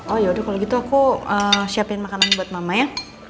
oh yaudah kalau gitu aku siapin makanan buat mama ya